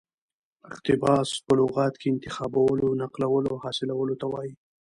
اقتباس په لغت کښي انتخابولو، نقلولو او حاصلولو ته وايي.